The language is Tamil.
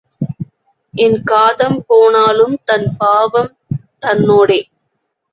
எண் காதம் போனாலும் தன் பாவம் தன்னோடே.